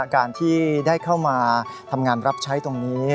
การที่ได้เข้ามาทำงานรับใช้ตรงนี้